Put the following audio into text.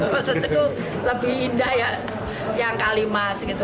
maksudnya itu lebih indah yang kalimas